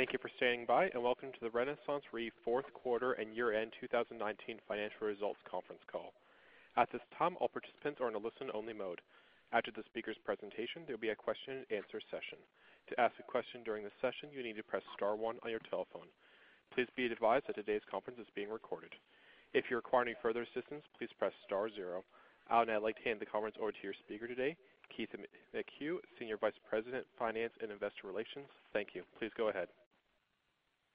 Thank you for standing by, and welcome to the RenaissanceRe Fourth Quarter and Year-End 2019 Financial Results Conference Call. At this time, all participants are in a listen-only mode. After the speaker's presentation, there'll be a question and answer session. To ask a question during the session, you need to press star one on your telephone. Please be advised that today's conference is being recorded. If you require any further assistance, please press star zero. I would now like to hand the conference over to your speaker today, Keith McCue, Senior Vice President, Finance and Investor Relations. Thank you. Please go ahead.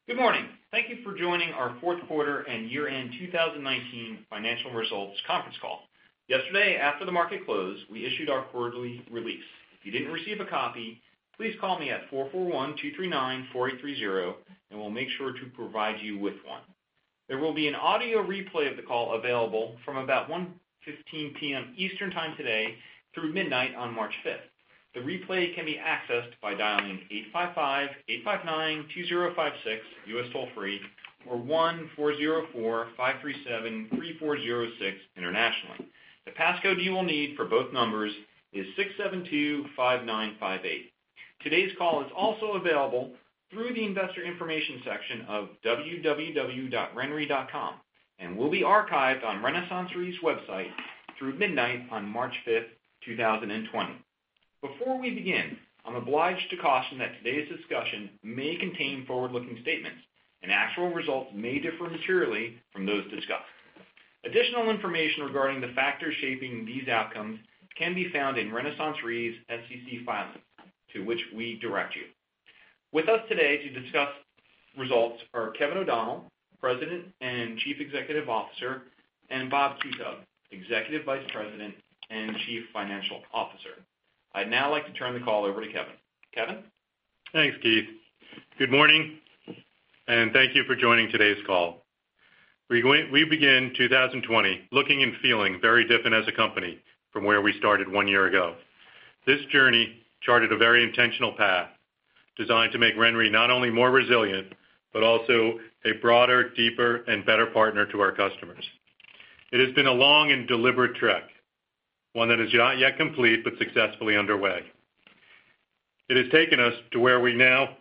Good morning. Thank you for joining our fourth quarter and year-end 2019 financial results conference call. Yesterday, after the market closed, we issued our quarterly release. If you didn't receive a copy, please call me at 441-239-4830 and we'll make sure to provide you with one. There will be an audio replay of the call available from about 1:15 P.M. Eastern Time today through midnight on March 5th. The replay can be accessed by dialing 855-859-2056 U.S. toll-free or 1-404-537-3406 internationally. The passcode you will need for both numbers is 6725958. Today's call is also available through the investor information section of www.renre.com and will be archived on RenaissanceRe's website through midnight on March 5th, 2020. Before we begin, I'm obliged to caution that today's discussion may contain forward-looking statements. Actual results may differ materially from those discussed. Additional information regarding the factors shaping these outcomes can be found in RenaissanceRe's SEC filings, to which we direct you. With us today to discuss results are Kevin O'Donnell, President and Chief Executive Officer, and Robert Qutub, Executive Vice President and Chief Financial Officer. I'd now like to turn the call over to Kevin. Kevin? Thanks, Keith. Good morning. Thank you for joining today's call. We begin 2020 looking and feeling very different as a company from where we started one year ago. This journey charted a very intentional path designed to make RenRe not only more resilient, but also a broader, deeper, and better partner to our customers. It has been a long and deliberate trek, one that is not yet complete, but successfully underway. It has taken us to where we now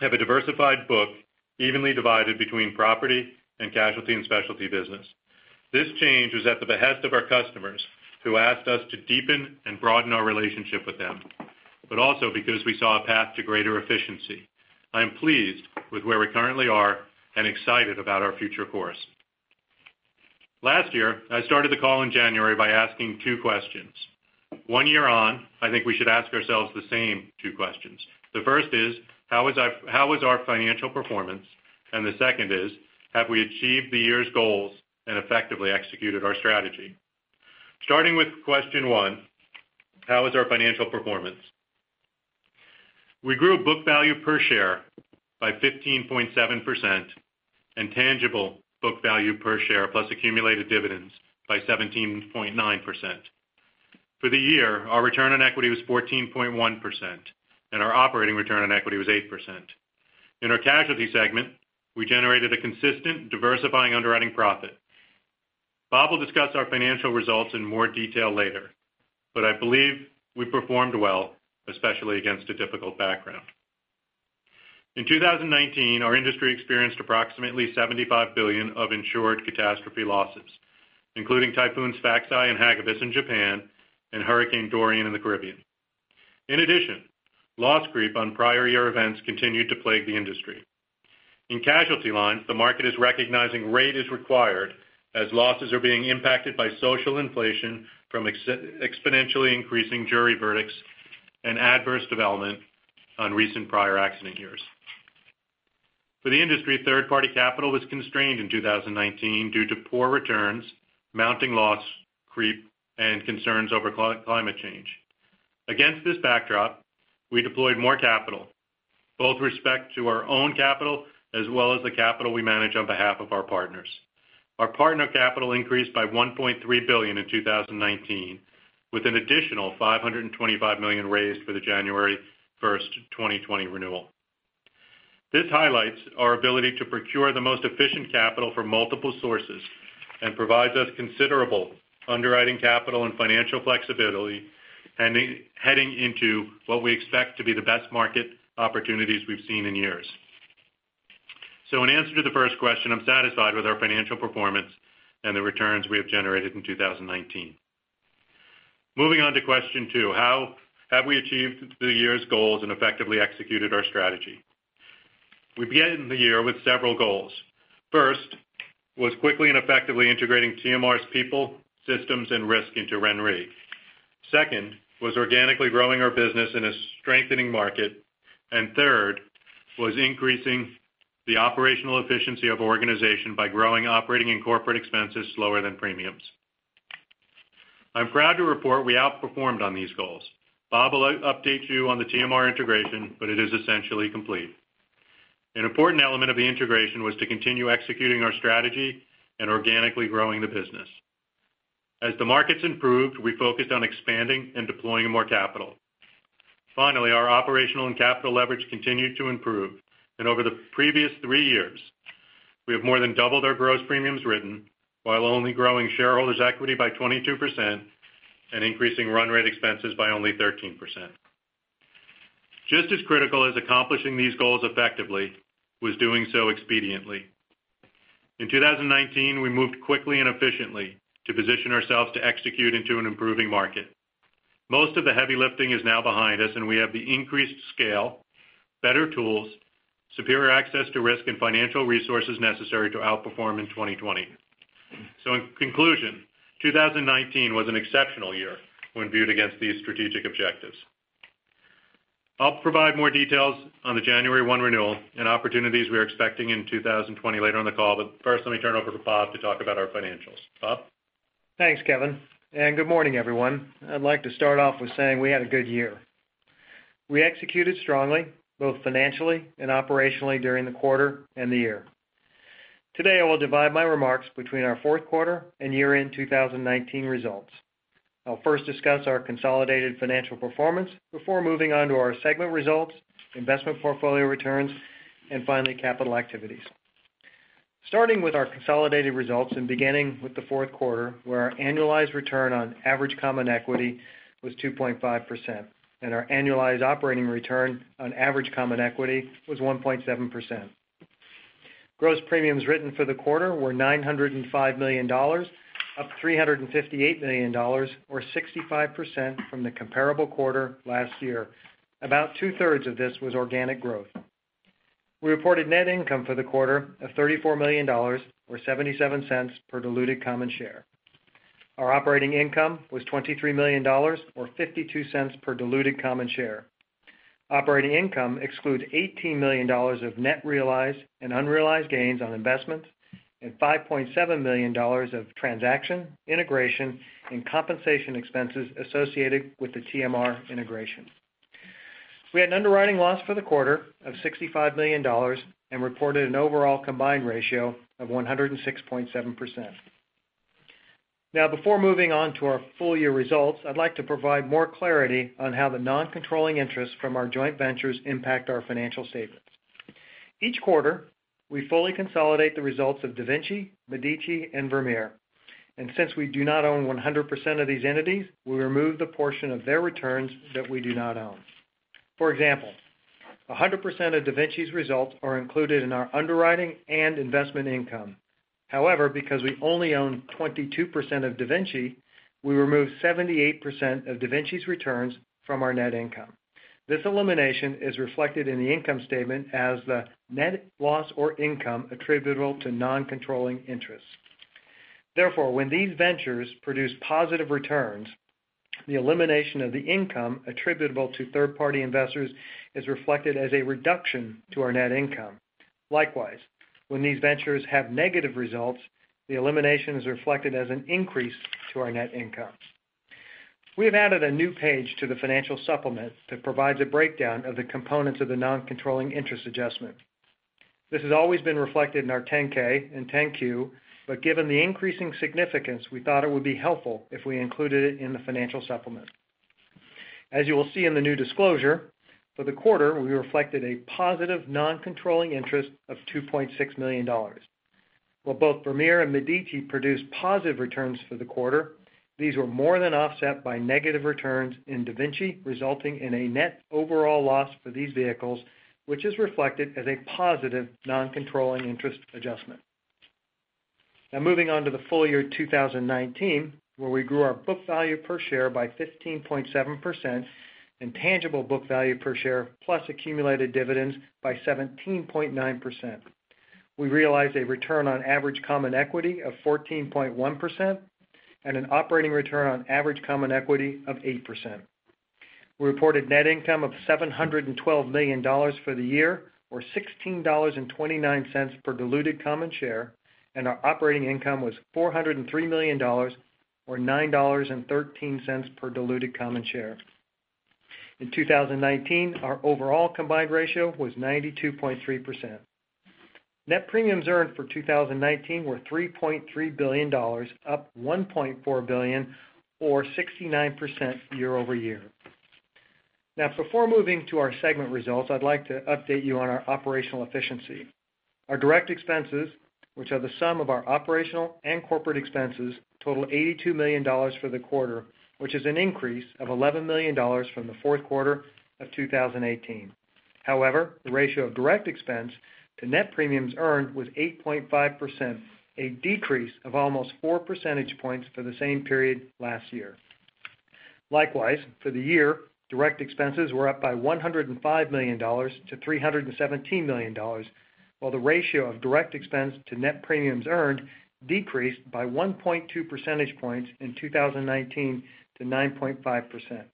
have a diversified book evenly divided between property and casualty and specialty business. This change was at the behest of our customers, who asked us to deepen and broaden our relationship with them, but also because we saw a path to greater efficiency. I am pleased with where we currently are and excited about our future course. Last year, I started the call in January by asking two questions. One year on, I think we should ask ourselves the same two questions. The first is: how was our financial performance? The second is: have we achieved the year's goals and effectively executed our strategy? Starting with question one, how is our financial performance? We grew book value per share by 15.7% and tangible book value per share plus accumulated dividends by 17.9%. For the year, our return on equity was 14.1%, and our operating return on equity was 8%. In our casualty segment, we generated a consistent diversifying underwriting profit. Bob will discuss our financial results in more detail later, but I believe we performed well, especially against a difficult background. In 2019, our industry experienced approximately $75 billion of insured catastrophe losses, including typhoons Faxai and Hagibis in Japan and Hurricane Dorian in the Caribbean. In addition, loss creep on prior year events continued to plague the industry. In casualty lines, the market is recognizing rate is required as losses are being impacted by social inflation from exponentially increasing jury verdicts and adverse development on recent prior accident years. For the industry, third-party capital was constrained in 2019 due to poor returns, mounting loss creep, and concerns over climate change. Against this backdrop, we deployed more capital, both with respect to our own capital as well as the capital we manage on behalf of our partners. Our partner capital increased by $1.3 billion in 2019, with an additional $525 million raised for the January 1st, 2020 renewal. This highlights our ability to procure the most efficient capital from multiple sources and provides us considerable underwriting capital and financial flexibility heading into what we expect to be the best market opportunities we've seen in years. In answer to the first question, I'm satisfied with our financial performance and the returns we have generated in 2019. Moving on to question two, how have we achieved the year's goals and effectively executed our strategy? We began the year with several goals. First was quickly and effectively integrating TMR's people, systems, and risk into RenRe. Second was organically growing our business in a strengthening market. Third was increasing the operational efficiency of our organization by growing operating and corporate expenses slower than premiums. I'm proud to report we outperformed on these goals. Bob will update you on the TMR integration, but it is essentially complete. An important element of the integration was to continue executing our strategy and organically growing the business. As the markets improved, we focused on expanding and deploying more capital. Finally, our operational and capital leverage continued to improve, and over the previous three years, we have more than doubled our gross premiums written while only growing shareholders' equity by 22% and increasing run rate expenses by only 13%. Just as critical as accomplishing these goals effectively was doing so expediently. In 2019, we moved quickly and efficiently to position ourselves to execute into an improving market. Most of the heavy lifting is now behind us, and we have the increased scale, better tools, superior access to risk and financial resources necessary to outperform in 2020. In conclusion, 2019 was an exceptional year when viewed against these strategic objectives. I'll provide more details on the January 1 renewal and opportunities we're expecting in 2020 later on the call. First, let me turn it over to Bob to talk about our financials. Bob? Thanks, Kevin. Good morning, everyone. I'd like to start off with saying we had a good year. We executed strongly both financially and operationally during the quarter and the year. Today, I will divide my remarks between our fourth quarter and year-end 2019 results. I'll first discuss our consolidated financial performance before moving on to our segment results, investment portfolio returns, and finally, capital activities. Starting with our consolidated results and beginning with the fourth quarter, where our annualized return on average common equity was 2.5% and our annualized operating return on average common equity was 1.7%. Gross premiums written for the quarter were $905 million, up $358 million, or 65% from the comparable quarter last year. About two-thirds of this was organic growth. We reported net income for the quarter of $34 million, or $0.77 per diluted common share. Our operating income was $23 million, or $0.52 per diluted common share. Operating income excludes $18 million of net realized and unrealized gains on investments and $5.7 million of transaction, integration, and compensation expenses associated with the TMR integration. We had an underwriting loss for the quarter of $65 million and reported an overall combined ratio of 106.7%. Before moving on to our full-year results, I'd like to provide more clarity on how the non-controlling interests from our joint ventures impact our financial statements. Each quarter, we fully consolidate the results of DaVinci, Medici, and Vermeer, and since we do not own 100% of these entities, we remove the portion of their returns that we do not own. For example, 100% of DaVinci's results are included in our underwriting and investment income. Because we only own 22% of DaVinci, we remove 78% of DaVinci's returns from our net income. This elimination is reflected in the income statement as the net loss or income attributable to non-controlling interests. When these ventures produce positive returns, the elimination of the income attributable to third-party investors is reflected as a reduction to our net income. When these ventures have negative results, the elimination is reflected as an increase to our net income. We have added a new page to the financial supplement that provides a breakdown of the components of the non-controlling interest adjustment. This has always been reflected in our 10-K and 10-Q, but given the increasing significance, we thought it would be helpful if we included it in the financial supplement. As you will see in the new disclosure, for the quarter, we reflected a positive non-controlling interest of $2.6 million. While both Vermeer and Medici produced positive returns for the quarter, these were more than offset by negative returns in DaVinci, resulting in a net overall loss for these vehicles, which is reflected as a positive non-controlling interest adjustment. Moving on to the full year 2019, where we grew our book value per share by 15.7% and tangible book value per share plus accumulated dividends by 17.9%. We realized a return on average common equity of 14.1% and an operating return on average common equity of 8%. We reported net income of $712 million for the year, or $16.29 per diluted common share. Our operating income was $403 million, or $9.13 per diluted common share. In 2019, our overall combined ratio was 92.3%. Net premiums earned for 2019 were $3.3 billion, up $1.4 billion, or 69% year-over-year. Now, before moving to our segment results, I'd like to update you on our operational efficiency. Our direct expenses, which are the sum of our operational and corporate expenses, total $82 million for the quarter, which is an increase of $11 million from the fourth quarter of 2018. However, the ratio of direct expense to net premiums earned was 8.5%, a decrease of almost four percentage points for the same period last year. Likewise, for the year, direct expenses were up by $105 million to $317 million, while the ratio of direct expense to net premiums earned decreased by 1.2 percentage points in 2019 to 9.5%.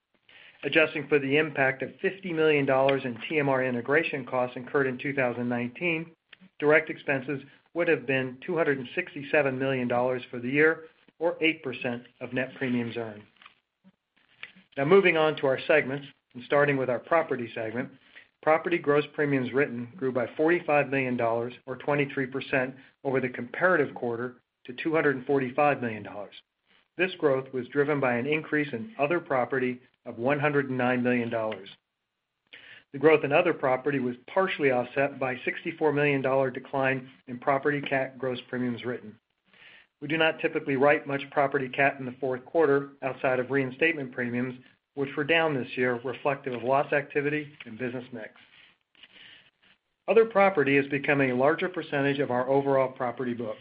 Adjusting for the impact of $50 million in TMR integration costs incurred in 2019, direct expenses would've been $267 million for the year, or 8% of net premiums earned. Now, moving on to our segments and starting with our property segment. Property gross premiums written grew by $45 million, or 23% over the comparative quarter to $245 million. This growth was driven by an increase in other property of $109 million. The growth in other property was partially offset by a $64 million decline in property cat gross premiums written. We do not typically write much property cat in the fourth quarter outside of reinstatement premiums, which were down this year, reflective of loss activity and business mix. Other property is becoming a larger percentage of our overall property book.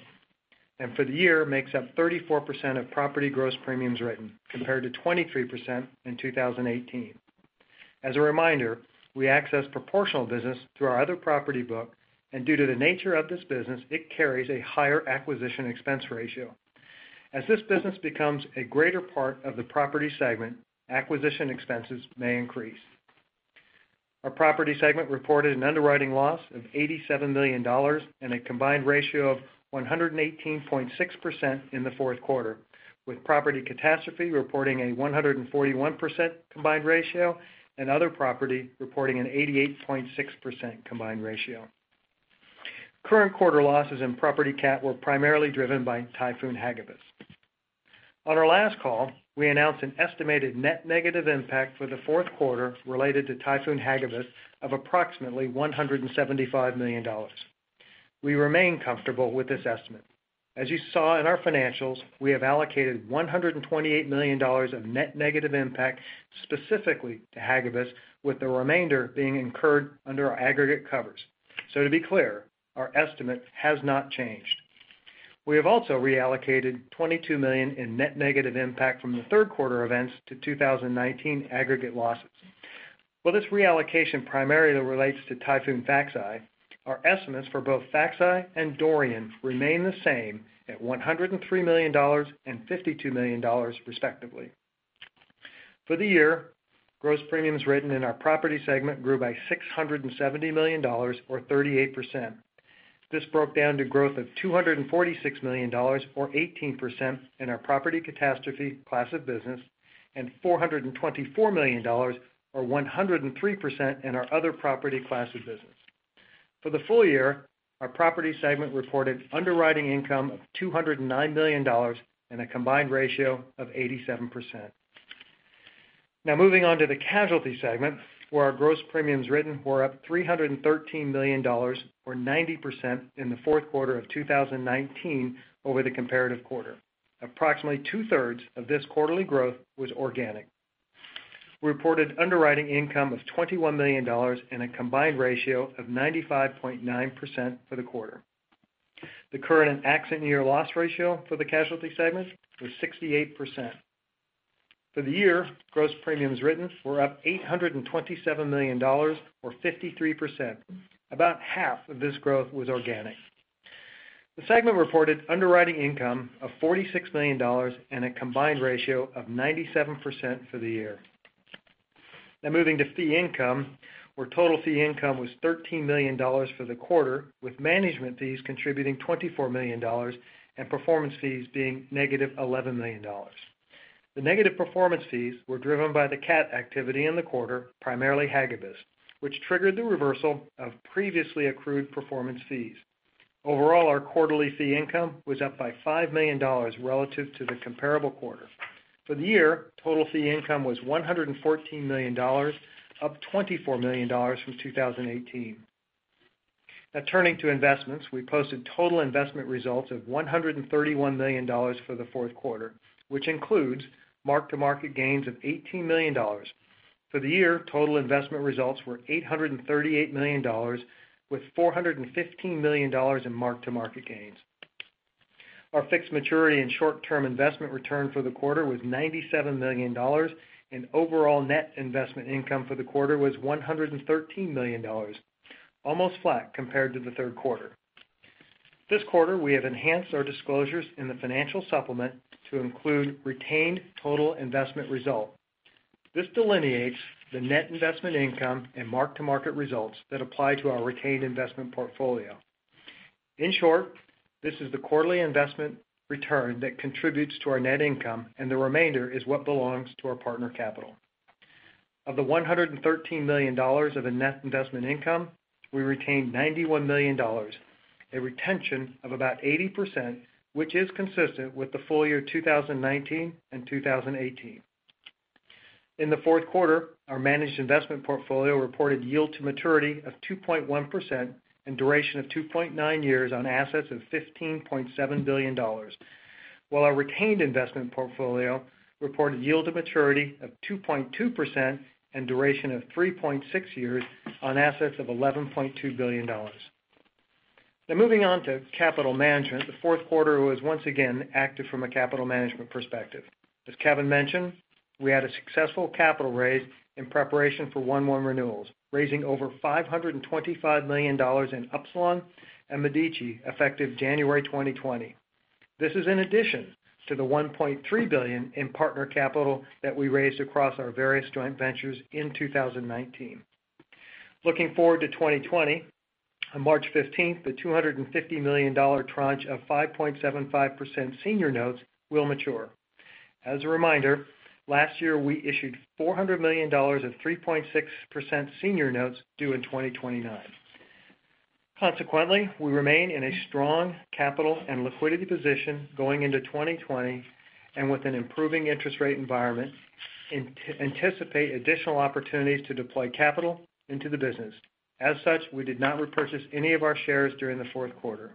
For the year, makes up 34% of property gross premiums written, compared to 23% in 2018. As a reminder, we access proportional business through our other property book, and due to the nature of this business, it carries a higher acquisition expense ratio. As this business becomes a greater part of the property segment, acquisition expenses may increase. Our property segment reported an underwriting loss of $87 million and a combined ratio of 118.6% in the fourth quarter, with property catastrophe reporting a 141% combined ratio, and other property reporting an 88.6% combined ratio. Current quarter losses in property cat were primarily driven by Typhoon Hagibis. On our last call, we announced an estimated net negative impact for the fourth quarter related to Typhoon Hagibis of approximately $175 million. We remain comfortable with this estimate. As you saw in our financials, we have allocated $128 million of net negative impact specifically to Hagibis, with the remainder being incurred under our aggregate covers. To be clear, our estimate has not changed. We have also reallocated $22 million in net negative impact from the third quarter events to 2019 aggregate losses. While this reallocation primarily relates to Typhoon Faxai, our estimates for both Faxai and Dorian remain the same at $103 million and $52 million respectively. For the year, gross premiums written in our property segment grew by $670 million, or 38%. This broke down to growth of $246 million, or 18%, in our property catastrophe class of business, and $424 million, or 103%, in our other property class of business. For the full year, our property segment reported underwriting income of $209 million, and a combined ratio of 87%. Now, moving on to the casualty segment, where our gross premiums written were up $313 million, or 90%, in the fourth quarter of 2019 over the comparative quarter. Approximately two-thirds of this quarterly growth was organic. We reported underwriting income of $21 million and a combined ratio of 95.9% for the quarter. The current accident year loss ratio for the casualty segment was 68%. For the year, gross premiums written were up $827 million, or 53%. About half of this growth was organic. The segment reported underwriting income of $46 million and a combined ratio of 97% for the year. Moving to fee income, where total fee income was $13 million for the quarter, with management fees contributing $24 million and performance fees being negative $11 million. The negative performance fees were driven by the cat activity in the quarter, primarily Hagibis, which triggered the reversal of previously accrued performance fees. Overall, our quarterly fee income was up by $5 million relative to the comparable quarter. For the year, total fee income was $114 million, up $24 million from 2018. Turning to investments. We posted total investment results of $131 million for the fourth quarter, which includes mark-to-market gains of $18 million. For the year, total investment results were $838 million, with $415 million in mark-to-market gains. Our fixed maturity and short-term investment return for the quarter was $97 million, and overall net investment income for the quarter was $113 million, almost flat compared to the third quarter. This quarter, we have enhanced our disclosures in the financial supplement to include retained total investment result. This delineates the net investment income and mark-to-market results that apply to our retained investment portfolio. In short, this is the quarterly investment return that contributes to our net income, and the remainder is what belongs to our partner capital. Of the $113 million of a net investment income, we retained $91 million, a retention of about 80%, which is consistent with the full year 2019 and 2018. In the fourth quarter, our managed investment portfolio reported yield to maturity of 2.1% and duration of 2.9 years on assets of $15.7 billion, while our retained investment portfolio reported yield to maturity of 2.2% and duration of 3.6 years on assets of $11.2 billion. Moving on to capital management, the fourth quarter was once again active from a capital management perspective. As Kevin mentioned, we had a successful capital raise in preparation for 1/1 renewals, raising over $525 million in Upsilon and Medici effective January 2020. This is in addition to the $1.3 billion in partner capital that we raised across our various joint ventures in 2019. Looking forward to 2020, on March 15th, the $250 million tranche of 5.75% senior notes will mature. As a reminder, last year we issued $400 million of 3.6% senior notes due in 2029. We remain in a strong capital and liquidity position going into 2020, and with an improving interest rate environment, anticipate additional opportunities to deploy capital into the business. We did not repurchase any of our shares during the fourth quarter.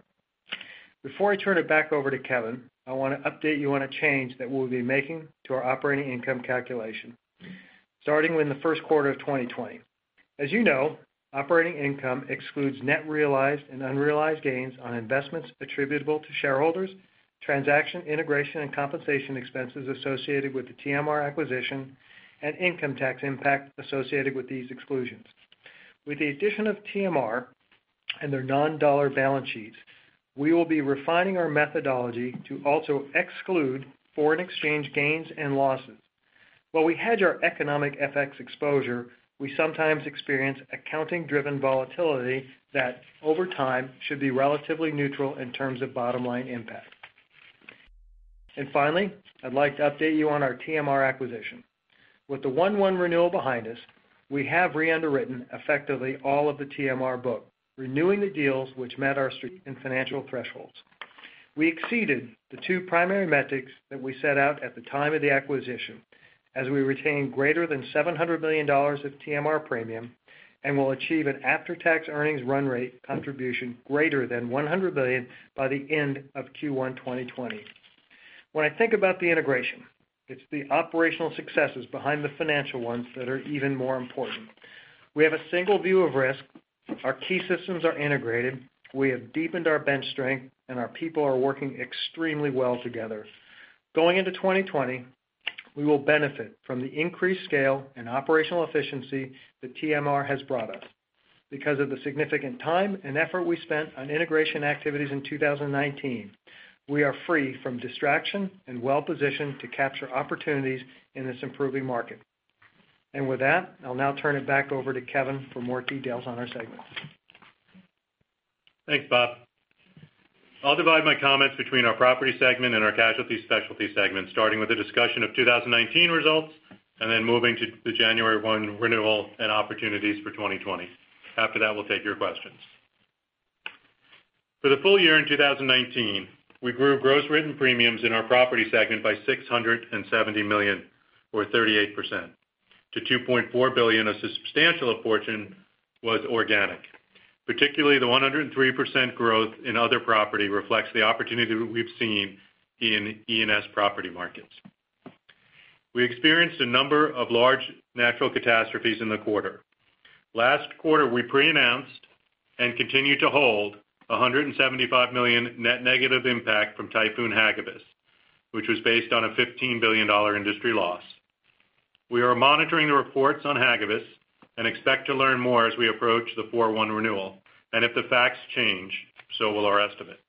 Before I turn it back over to Kevin, I want to update you on a change that we'll be making to our operating income calculation starting with the first quarter of 2020. As you know, operating income excludes net realized and unrealized gains on investments attributable to shareholders, transaction integration and compensation expenses associated with the TMR acquisition, and income tax impact associated with these exclusions. With the addition of TMR and their non-dollar balance sheets, we will be refining our methodology to also exclude foreign exchange gains and losses. While we hedge our economic FX exposure, we sometimes experience accounting-driven volatility that, over time, should be relatively neutral in terms of bottom-line impact. Finally, I'd like to update you on our TMR acquisition. With the 1/1 renewal behind us, we have re-underwritten effectively all of the TMR book, renewing the deals which met our strict and financial thresholds. We exceeded the two primary metrics that we set out at the time of the acquisition as we retain greater than $700 million of TMR premium and will achieve an after-tax earnings run rate contribution greater than $100 million by the end of Q1 2020. When I think about the integration, it's the operational successes behind the financial ones that are even more important. We have a single view of risk. Our key systems are integrated. We have deepened our bench strength, and our people are working extremely well together. Going into 2020, we will benefit from the increased scale and operational efficiency that TMR has brought us. Because of the significant time and effort we spent on integration activities in 2019, we are free from distraction and well-positioned to capture opportunities in this improving market. With that, I'll now turn it back over to Kevin for more details on our segments. Thanks, Bob. I'll divide my comments between our property segment and our casualty specialty segment, starting with a discussion of 2019 results, then moving to the January 1 renewal and opportunities for 2020. After that, we'll take your questions. For the full year in 2019, we grew gross written premiums in our property segment by $670 million or 38% to $2.4 billion, a substantial portion was organic. Particularly, the 103% growth in other property reflects the opportunity we've seen in E&S property markets. We experienced a number of large natural catastrophes in the quarter. Last quarter, we pre-announced and continued to hold $175 million net negative impact from Typhoon Hagibis, which was based on a $15 billion industry loss. We are monitoring the reports on Hagibis and expect to learn more as we approach the 4/1 renewal. If the facts change, so will our estimate.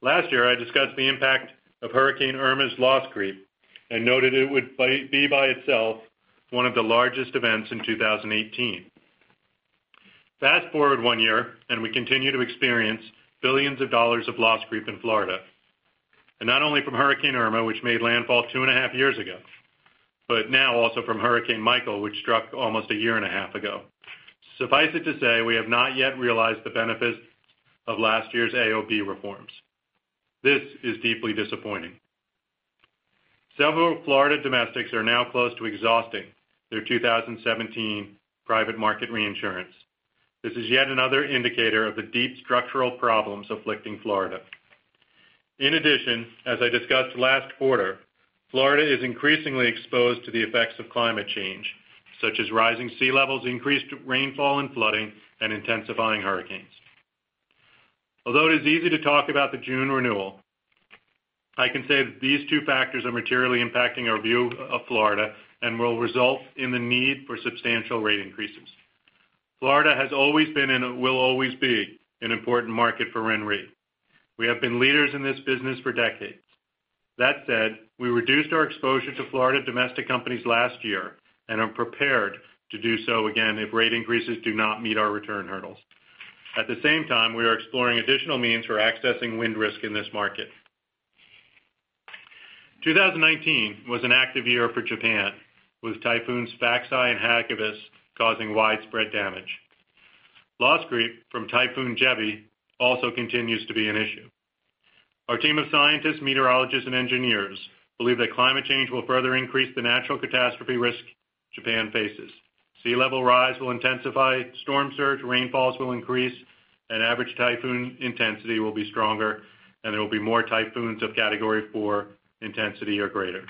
Last year, I discussed the impact of Hurricane Irma's loss creep and noted it would be by itself one of the largest events in 2018. Fast-forward one year, we continue to experience billions of dollars of loss creep in Florida. Not only from Hurricane Irma, which made landfall two and a half years ago, but now also from Hurricane Michael, which struck almost a year and a half ago. Suffice it to say, we have not yet realized the benefits of last year's AOP reforms. This is deeply disappointing. Several Florida domestics are now close to exhausting their 2017 private market reinsurance. This is yet another indicator of the deep structural problems afflicting Florida. As I discussed last quarter, Florida is increasingly exposed to the effects of climate change, such as rising sea levels, increased rainfall and flooding, and intensifying hurricanes. Although it is easy to talk about the June renewal, I can say that these two factors are materially impacting our view of Florida and will result in the need for substantial rate increases. Florida has always been and will always be an important market for RenRe. We have been leaders in this business for decades. That said, we reduced our exposure to Florida domestic companies last year and are prepared to do so again if rate increases do not meet our return hurdles. At the same time, we are exploring additional means for accessing wind risk in this market. 2019 was an active year for Japan, with typhoons Faxai and Hagibis causing widespread damage. Loss creep from Typhoon Jebi also continues to be an issue. Our team of scientists, meteorologists, and engineers believe that climate change will further increase the natural catastrophe risk Japan faces. Sea level rise will intensify storm surge, rainfalls will increase, and average typhoon intensity will be stronger, and there will be more typhoons of category 4 intensity or greater.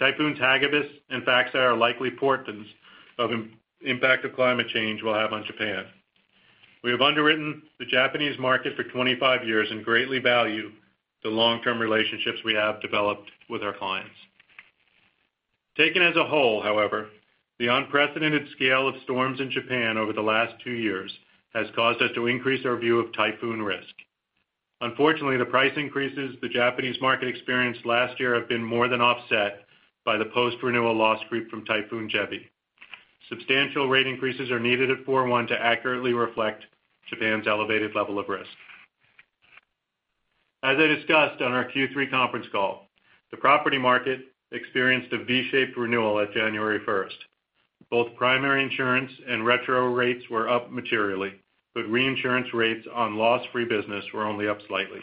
Typhoons Hagibis and Faxai are likely portents of impact the climate change will have on Japan. We have underwritten the Japanese market for 25 years and greatly value the long-term relationships we have developed with our clients. Taken as a whole, however, the unprecedented scale of storms in Japan over the last two years has caused us to increase our view of typhoon risk. Unfortunately, the price increases the Japanese market experienced last year have been more than offset by the post-renewal loss creep from Typhoon Jebi. Substantial rate increases are needed at 4/1 to accurately reflect Japan's elevated level of risk. As I discussed on our Q3 conference call, the property market experienced a V-shaped renewal at January 1st. Both primary insurance and retro rates were up materially, but reinsurance rates on loss-free business were only up slightly.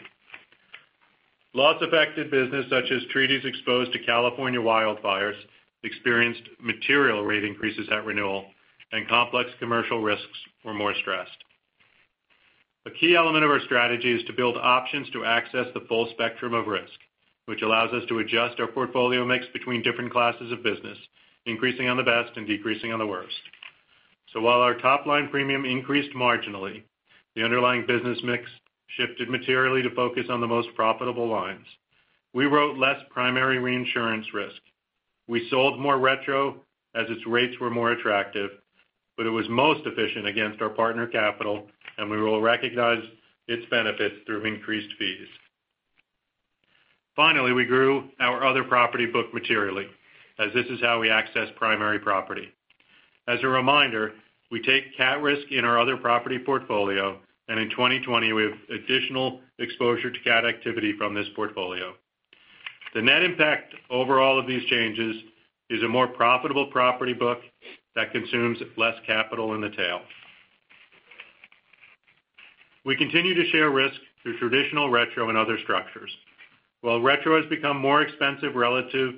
Loss-affected business, such as treaties exposed to California wildfires, experienced material rate increases at renewal, and complex commercial risks were more stressed. A key element of our strategy is to build options to access the full spectrum of risk, which allows us to adjust our portfolio mix between different classes of business, increasing on the best and decreasing on the worst. While our top-line premium increased marginally, the underlying business mix shifted materially to focus on the most profitable lines. We wrote less primary reinsurance risk. We sold more retro as its rates were more attractive, but it was most efficient against our partner capital, and we will recognize its benefits through increased fees. Finally, we grew our other property book materially, as this is how we access primary property. As a reminder, we take cat risk in our other property portfolio, and in 2020, we have additional exposure to cat activity from this portfolio. The net impact overall of these changes is a more profitable property book that consumes less capital in the tail. We continue to share risk through traditional retro and other structures. While retro has become more expensive relative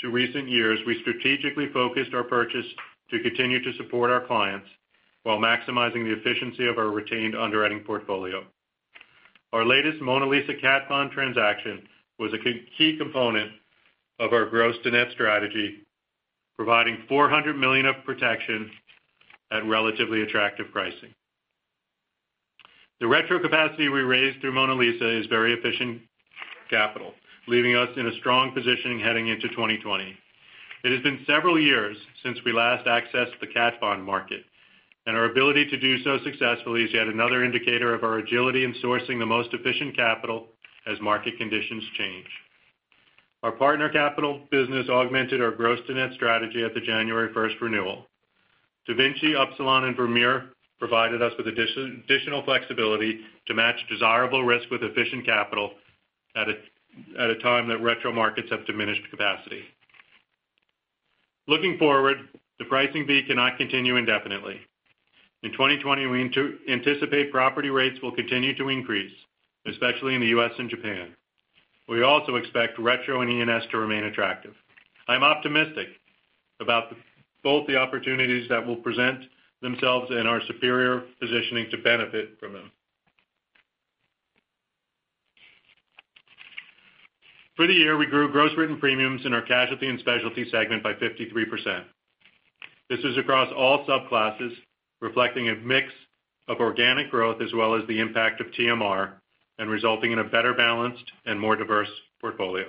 to recent years, we strategically focused our purchase to continue to support our clients while maximizing the efficiency of our retained underwriting portfolio. Our latest Mona Lisa cat bond transaction was a key component of our gross-to-net strategy, providing $400 million of protection at relatively attractive pricing. The retro capacity we raised through Mona Lisa is very efficient capital, leaving us in a strong position heading into 2020. It has been several years since we last accessed the cat bond market, our ability to do so successfully is yet another indicator of our agility in sourcing the most efficient capital as market conditions change. Our partner capital business augmented our gross-to-net strategy at the January 1st renewal. DaVinci, Upsilon, and Vermeer provided us with additional flexibility to match desirable risk with efficient capital at a time that retro markets have diminished capacity. Looking forward, the pricing V cannot continue indefinitely. In 2020, we anticipate property rates will continue to increase, especially in the U.S. and Japan. We also expect retro and E&S to remain attractive. I'm optimistic about both the opportunities that will present themselves and our superior positioning to benefit from them. For the year, we grew gross written premiums in our casualty and specialty segment by 53%. This is across all subclasses, reflecting a mix of organic growth as well as the impact of TMR and resulting in a better balanced and more diverse portfolio.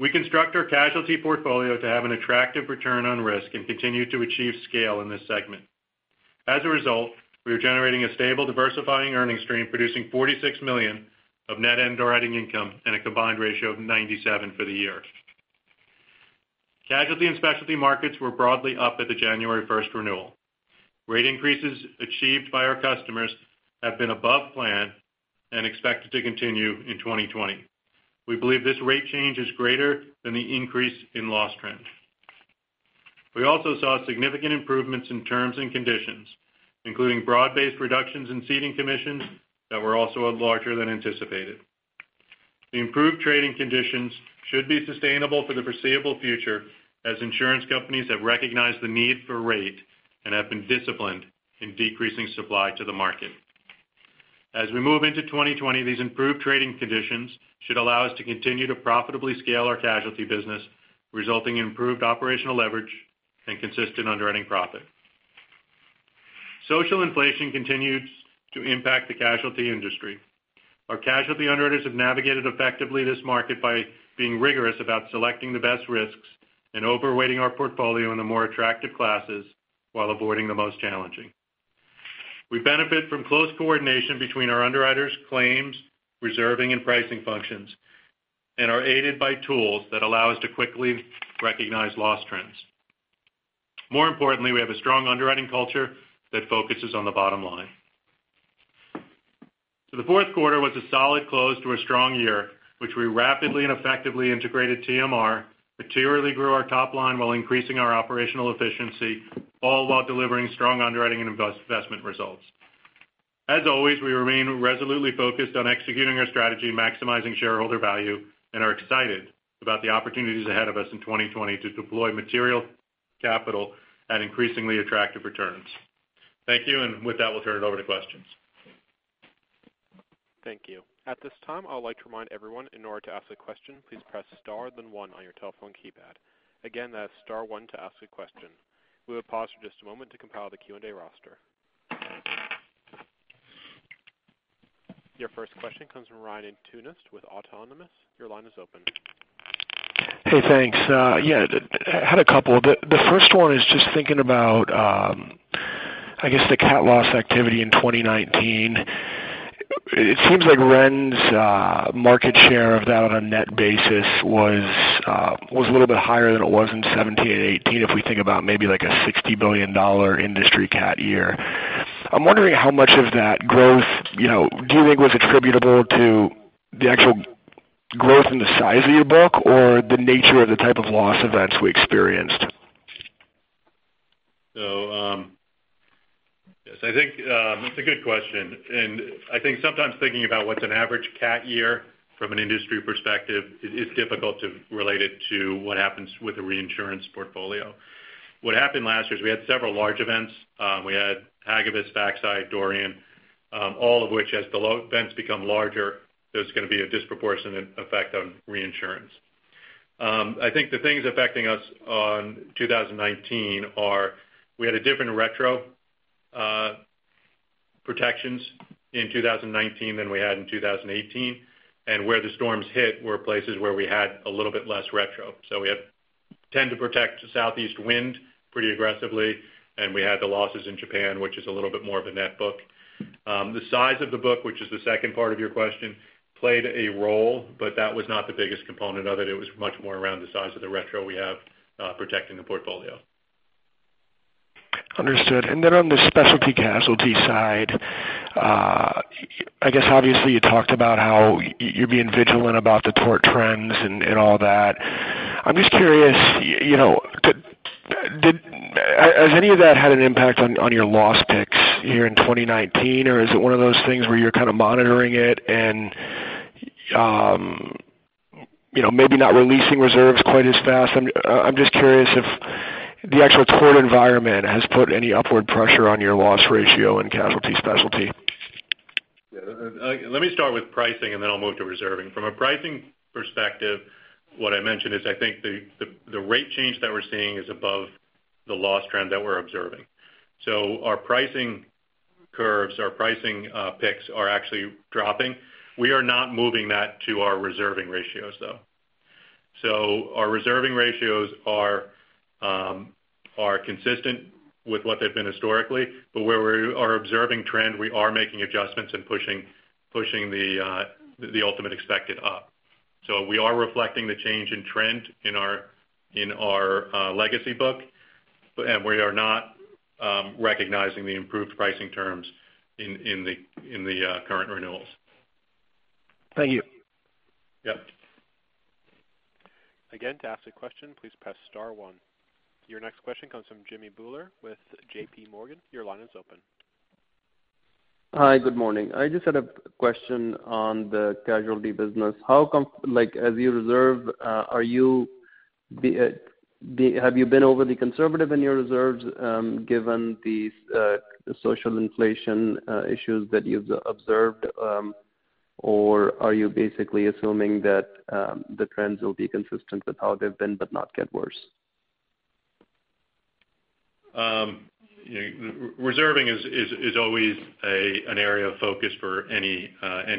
We construct our casualty portfolio to have an attractive return on risk and continue to achieve scale in this segment. As a result, we are generating a stable, diversifying earnings stream, producing $46 million of net underwriting income and a combined ratio of 97 for the year. Casualty and specialty markets were broadly up at the January 1st renewal. Rate increases achieved by our customers have been above plan and expected to continue in 2020. We believe this rate change is greater than the increase in loss trends. We also saw significant improvements in terms and conditions, including broad-based reductions in ceding commissions that were also larger than anticipated. The improved trading conditions should be sustainable for the foreseeable future, as insurance companies have recognized the need for rate and have been disciplined in decreasing supply to the market. As we move into 2020, these improved trading conditions should allow us to continue to profitably scale our casualty business, resulting in improved operational leverage and consistent underwriting profit. Social inflation continues to impact the casualty industry. Our casualty underwriters have navigated effectively this market by being rigorous about selecting the best risks and overweighting our portfolio in the more attractive classes while avoiding the most challenging. We benefit from close coordination between our underwriters' claims, reserving, and pricing functions and are aided by tools that allow us to quickly recognize loss trends. More importantly, we have a strong underwriting culture that focuses on the bottom line. The fourth quarter was a solid close to a strong year, which we rapidly and effectively integrated TMR, materially grew our top line while increasing our operational efficiency, all while delivering strong underwriting and investment results. As always, we remain resolutely focused on executing our strategy, maximizing shareholder value, and are excited about the opportunities ahead of us in 2020 to deploy material capital at increasingly attractive returns. Thank you. With that, we'll turn it over to questions. Thank you. At this time, I would like to remind everyone, in order to ask a question, please press star then one on your telephone keypad. Again, that's star one to ask a question. We will pause for just a moment to compile the Q&A roster. Your first question comes from Ryan Tunis with Autonomous. Your line is open. Hey, thanks. Yeah, had a couple. The first one is just thinking about, I guess the cat loss activity in 2019. It seems like RenRe's market share of that on a net basis was a little bit higher than it was in 2017 and 2018, if we think about maybe like a $60 billion industry cat year. I'm wondering how much of that growth do you think was attributable to the actual growth in the size of your book, or the nature of the type of loss events we experienced? Yes, I think that's a good question, and I think sometimes thinking about what's an average cat year from an industry perspective is difficult to relate it to what happens with a reinsurance portfolio. What happened last year is we had several large events. We had Hagibis, Faxai, Dorian, all of which as the events become larger, there's going to be a disproportionate effect on reinsurance. I think the things affecting us on 2019 are we had different retro protections in 2019 than we had in 2018, and where the storms hit were places where we had a little bit less retro. We tend to protect the southeast wind pretty aggressively, and we had the losses in Japan, which is a little bit more of a net book. The size of the book, which is the second part of your question, played a role, but that was not the biggest component of it. It was much more around the size of the retro we have protecting the portfolio. Understood. Then on the specialty casualty side, I guess obviously you talked about how you're being vigilant about the tort trends and all that. I'm just curious, has any of that had an impact on your loss picks here in 2019? Or is it one of those things where you're kind of monitoring it and maybe not releasing reserves quite as fast? I'm just curious if the actual tort environment has put any upward pressure on your loss ratio in casualty specialty. Let me start with pricing, then I'll move to reserving. From a pricing perspective, what I mentioned is, I think the rate change that we're seeing is above the loss trend that we're observing. Our pricing curves, our pricing picks are actually dropping. We are not moving that to our reserving ratios, though. Our reserving ratios are consistent with what they've been historically. Where we are observing trend, we are making adjustments and pushing the ultimate expected up. We are reflecting the change in trend in our legacy book, we are not recognizing the improved pricing terms in the current renewals. Thank you. Yep. Again, to ask a question, please press star one. Your next question comes from Jimmy Bhullar with J.P. Morgan. Your line is open. Hi. Good morning. I just had a question on the casualty business. As you reserve, have you been overly conservative in your reserves given the social inflation issues that you've observed? Are you basically assuming that the trends will be consistent with how they've been, but not get worse? Reserving is always an area of focus for any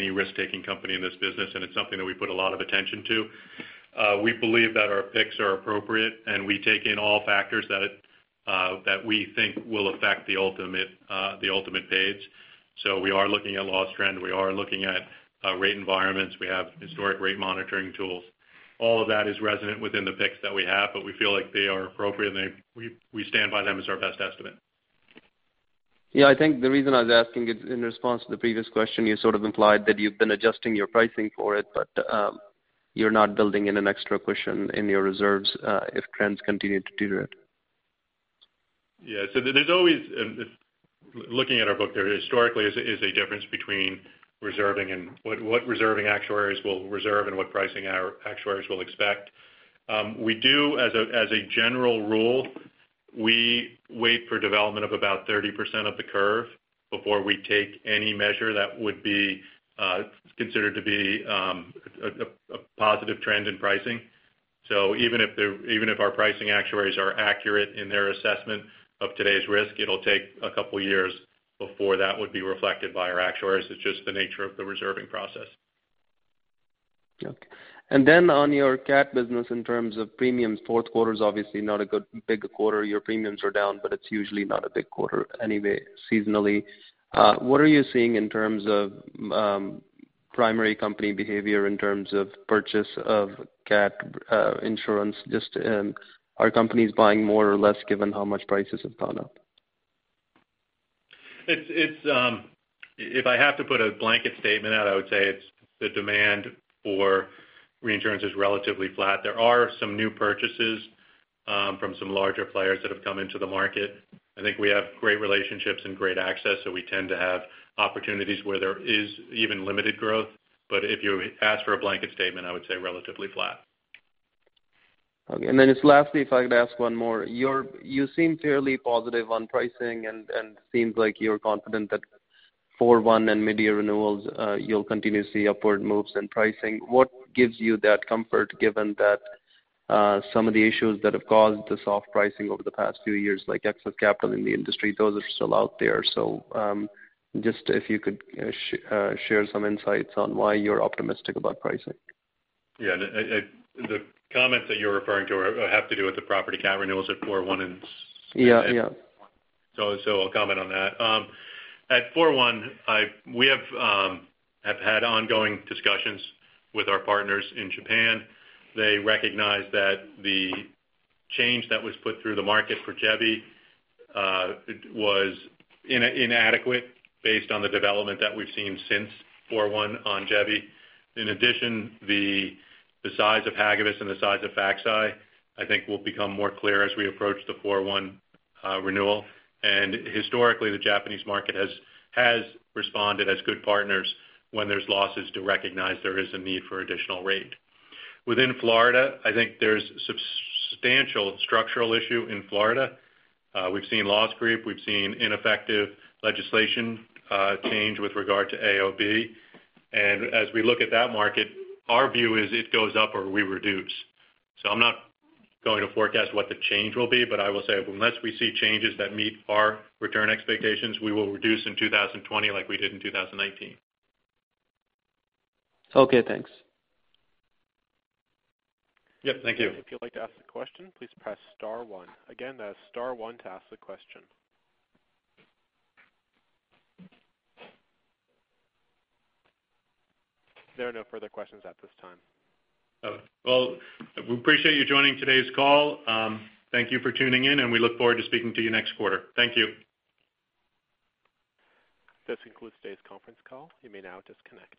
risk-taking company in this business, and it's something that we put a lot of attention to. We believe that our picks are appropriate, and we take in all factors that we think will affect the ultimate page. We are looking at loss trend. We are looking at rate environments. We have historic rate monitoring tools. All of that is resonant within the picks that we have, but we feel like they are appropriate, and we stand by them as our best estimate. Yeah, I think the reason I was asking it in response to the previous question, you sort of implied that you've been adjusting your pricing for it, but you're not building in an extra cushion in your reserves if trends continue to deteriorate. Yeah. There's always, looking at our book historically, is a difference between reserving and what reserving actuaries will reserve and what pricing our actuaries will expect. We do, as a general rule, we wait for development of about 30% of the curve before we take any measure that would be considered to be a positive trend in pricing. Even if our pricing actuaries are accurate in their assessment of today's risk, it'll take a couple years before that would be reflected by our actuaries. It's just the nature of the reserving process. Okay. Then on your cat business, in terms of premiums, fourth quarter's obviously not a big quarter. Your premiums are down, but it's usually not a big quarter anyway, seasonally. What are you seeing in terms of primary company behavior in terms of purchase of cat insurance? Just are companies buying more or less given how much prices have gone up? If I have to put a blanket statement out, I would say it's the demand for reinsurance is relatively flat. There are some new purchases from some larger players that have come into the market. I think we have great relationships and great access, so we tend to have opportunities where there is even limited growth. If you ask for a blanket statement, I would say relatively flat. Okay. Then just lastly, if I could ask one more. You seem fairly positive on pricing, and it seems like you're confident that for one and mid-year renewals, you'll continue to see upward moves in pricing. What gives you that comfort, given that some of the issues that have caused the soft pricing over the past few years, like excess capital in the industry, those are still out there. Just if you could share some insights on why you're optimistic about pricing. Yeah. The comments that you're referring to have to do with the property cat renewals at four one and six. Yeah I'll comment on that. At four one, we have had ongoing discussions with our partners in Japan. They recognize that the change that was put through the market for Jebi was inadequate based on the development that we've seen since four one on Jebi. In addition, the size of Hagibis and the size of Faxai, I think will become more clear as we approach the four one renewal. Historically, the Japanese market has responded as good partners when there's losses to recognize there is a need for additional rate. Within Florida, I think there's substantial structural issue in Florida. We've seen loss creep. We've seen ineffective legislation change with regard to AOB. As we look at that market, our view is it goes up or we reduce. I'm not going to forecast what the change will be, but I will say unless we see changes that meet our return expectations, we will reduce in 2020 like we did in 2019. Okay, thanks. Yep, thank you. If you'd like to ask a question, please press star one. Again, that's star one to ask a question. There are no further questions at this time. Well, we appreciate you joining today's call. Thank you for tuning in, we look forward to speaking to you next quarter. Thank you. This concludes today's conference call. You may now disconnect.